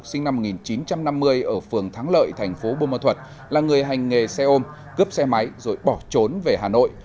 sinh năm một nghìn chín trăm năm mươi ở phường thắng lợi thành phố bô ma thuật là người hành nghề xe ôm cướp xe máy rồi bỏ trốn về hà nội